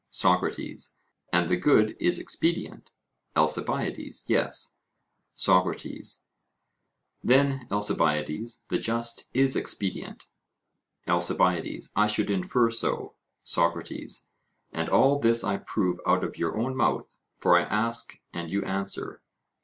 SOCRATES: And the good is expedient? ALCIBIADES: Yes. SOCRATES: Then, Alcibiades, the just is expedient? ALCIBIADES: I should infer so. SOCRATES: And all this I prove out of your own mouth, for I ask and you answer?